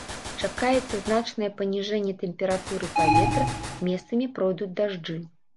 Чакаецца значнае паніжэнне тэмпературы паветра, месцамі пройдуць дажджы.